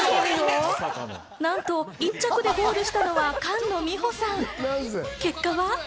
なんと、１着でゴールしたのは菅野美穂さん。